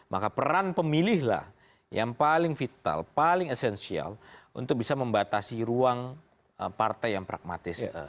maka peran pemilihlah yang paling vital paling esensial untuk bisa membatasi ruang partai yang pragmatis